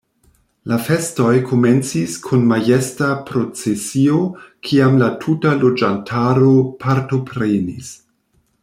La festoj komencis kun majesta procesio kiam la tuta loĝantaro partoprenis.